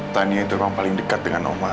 tania itu memang paling dekat dengan oma